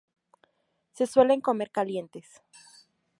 Se suelen comer calientes.